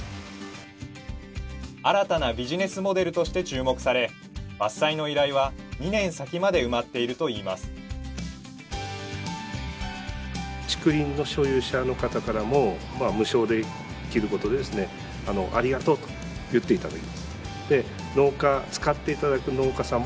新たなビジネスモデルとして注目され伐採の依頼は２年先まで埋まっているといいますさあということで皆さんが作っているあれ？